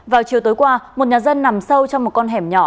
vào chiều tối qua một nhà dân nằm sâu trong một con hẻm nhỏ